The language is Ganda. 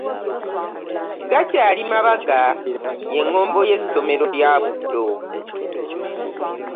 Gakyali mabaga y'eŋŋombo y'essomero lya Buddo.